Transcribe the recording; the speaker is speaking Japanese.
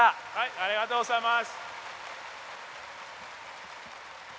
ありがとうございます。